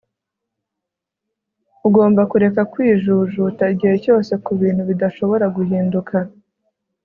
Ugomba kureka kwijujuta igihe cyose kubintu bidashobora guhinduka